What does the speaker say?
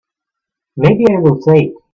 Maybe I will say it.